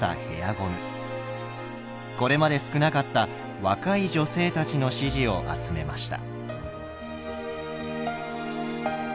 これまで少なかった若い女性たちの支持を集めました。